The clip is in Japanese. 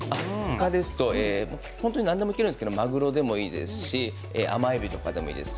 他ですと、本当に何でもできるんですけどまぐろでもいいですし甘えびとかでもいいです。